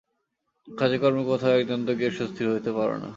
কাজেকর্মে কোথাও একদণ্ড গিয়া সুস্থির হইতে পারে না।